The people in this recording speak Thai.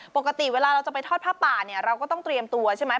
ปกติเวลาเราจะไปทอดผ้าป่าเนี่ยเราก็ต้องเตรียมตัวใช่ไหม